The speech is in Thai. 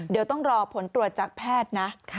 เดี๋ยวต้องรอผลตรวจจากแพทย์นะ